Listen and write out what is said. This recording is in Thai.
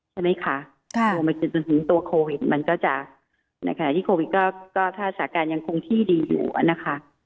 ใช่ไหมคะตัวมาจนถึงตัวโควิดมันก็จะในขณะที่โควิดก็ถ้าสาการยังคงที่ดีอยู่นะคะ